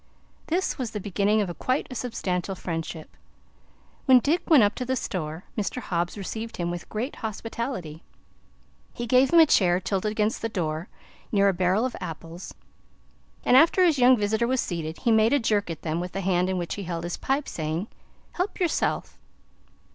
This was the beginning of quite a substantial friendship. When Dick went up to the store, Mr. Hobbs received him with great hospitality. He gave him a chair tilted against the door, near a barrel of apples, and after his young visitor was seated, he made a jerk at them with the hand in which he held his pipe, saying: "Help yerself."